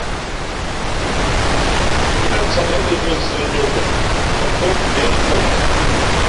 Yáá ncāk mά ó líꞌmᾱ nzᾱndʉ́ά wen, mα póngʉ̌ʼ yáá mbú o.